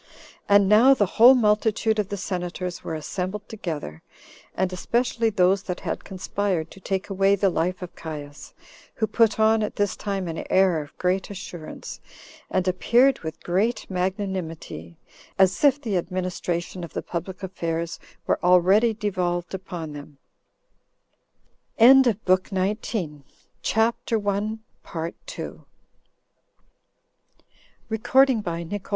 And now the whole multitude of the senators were assembled together, and especially those that had conspired to take away the life of Caius, who put on at this time an air of great assurance, and appeared with great magnanimity, as if the administration of the public affairs were already devolved upon them. CHAPTER 2. How The Senators Determined To Restore The Democracy